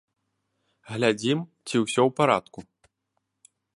Глядзім, ці ўсё ў парадку.